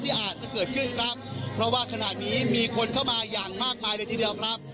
อาจจะเกิดขึ้นครับเพราะว่าขณะนี้มีคนเข้ามาอย่างมากมายเลยทีเดียวครับ